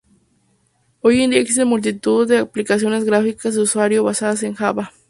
Hoy en día existen multitud de aplicaciones gráficas de usuario basadas en Java.